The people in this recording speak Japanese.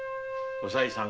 おさいさん